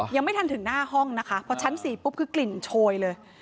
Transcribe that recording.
ยังไม่ทันถึงหน้าห้องนะคะพอชั้น๔ปุ๊บคือกลิ่นโชยเลย